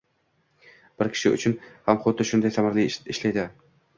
bir kishi uchun ham huddi shunday samarali ishlaydi